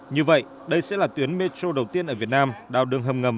như vậy đây sẽ là tuyến metro đầu tiên ở việt nam đào đường hầm ngầm